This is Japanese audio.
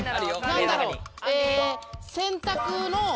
何だろうえ。